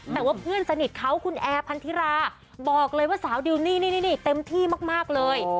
แต่ว่าเพื่อนสนิทเขาคุณแอร์พันธิราบอกเลยว่าสาวดิวนี่นี่เต็มที่มากเลย